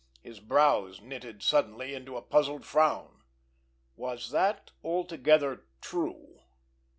His brows knitted suddenly into a puzzled frown. Was that altogether true?